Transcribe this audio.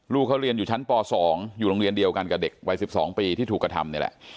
ลูกเขาเรียนอยู่ชั้นป๒อยู่โรงเรียนเดียวกันกับเด็กวัย๑๒ปีที่ถูกกระทำนี่แหละ